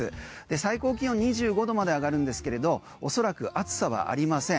最高気温２５度まで上がるんですけれど恐らく暑さはありません。